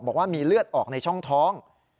บอกว่ามีเลือดออกในช่องท้อง